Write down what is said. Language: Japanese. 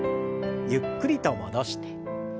ゆっくりと戻して。